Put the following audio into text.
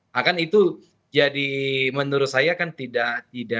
nah kan itu jadi menurut saya kan tidak